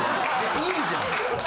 いいじゃん。